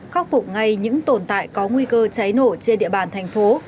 khắc phục ngay những tồn tại có nguy cơ cháy nổ trên địa bàn thành phố